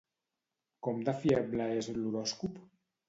Com de fiable és l'horòscop?